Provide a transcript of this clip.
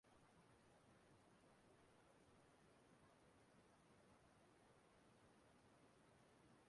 Oliver de coque lụrụ nwunye anọ ma mụta ụmụ iri na abụọ.